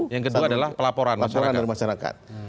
yang kedua adalah pelaporan masyarakat